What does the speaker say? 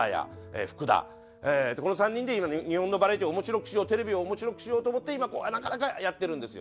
この３人で今日本のバラエティを面白くしようテレビを面白くしようと思って今やってるんですよ。